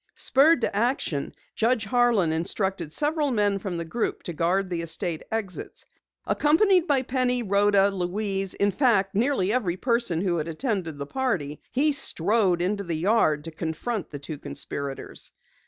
Spurred to action, Judge Harlan instructed several men from the group to guard the estate exits. Accompanied by Penny, Rhoda, Louise, in fact, nearly every person who had attended the party, he strode into the yard to confront the two conspirators.